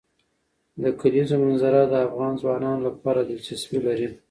د کلیزو منظره د افغان ځوانانو لپاره دلچسپي لري.